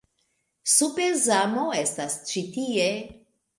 Super-Zamo estas ĉi tie